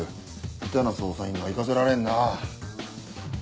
ヘタな捜査員には行かせられんな。